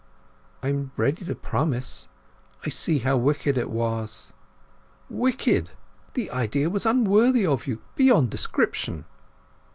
"I am ready to promise. I saw how wicked it was." "Wicked! The idea was unworthy of you beyond description."